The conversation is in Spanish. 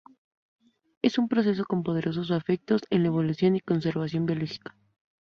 Es un proceso con poderosos efectos en la evolución y conservación biológica.